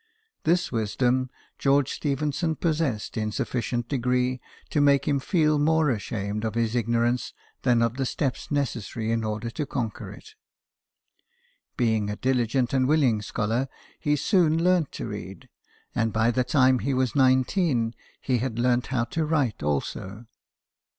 This wisdom George Stephenson possessed in sufficient degree to make him feel more ashamed of his ignorance than of the steps necessary in order to conquer it. Being a diligent and will ing scholar, he soon learnt to read, and by the time he was nineteen he had learnt how to write also.